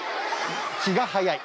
気が早い。